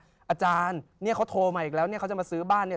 โทรมาอีกแล้วเนี่ยเขากลับซื้อบ้านเนี่ย